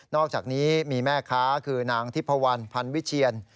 อกจากนี้มีแม่ค้าคือนางทิพวันพันวิเชียน